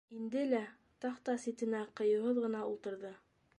Инде лә тахта ситенә ҡыйыуһыҙ ғына ултырҙы.